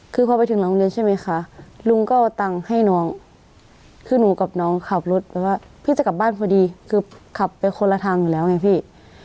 คือพอไปถึงโรงเรียนใช่ไหมคะลุงก็เอาตังค์ให้น้องคือหนูกับน้องขับรถแบบว่าพี่จะกลับบ้านพอดีคือขับไปคนละทางอยู่แล้วไงพี่